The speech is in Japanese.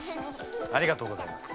ありがとうございます。